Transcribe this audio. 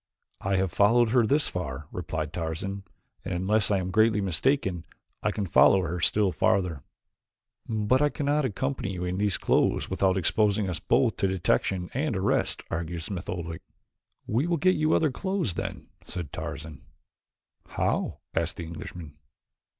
"I have followed her this far," replied Tarzan, "and unless I am greatly mistaken I can follow her still farther." "But I cannot accompany you in these clothes without exposing us both to detection and arrest," argued Smith Oldwick. "We will get you other clothes, then," said Tarzan. "How?" asked the Englishman.